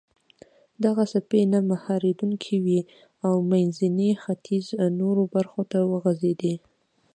دغه څپې نه مهارېدونکې وې او منځني ختیځ نورو برخو ته وغځېدې.